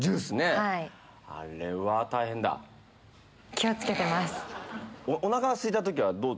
気を付けてます。